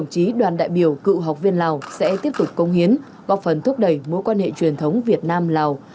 thủ học viên lào sẽ tiếp tục công hiến góp phần thúc đẩy mối quan hệ truyền thống việt nam lào